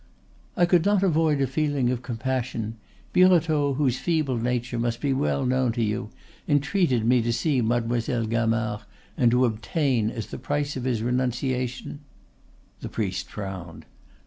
"I could not avoid a feeling of compassion. Birotteau, whose feeble nature must be well known to you, entreated me to see Madaemoiselle Gamard and to obtain as the price of his renunciation " The priest frowned.